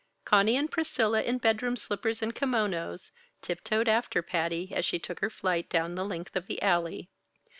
Conny and Priscilla, in bedroom slippers and kimonos, tiptoed after Patty as she took her flight down the length of the Alley.